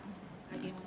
ya sedang bertugas kita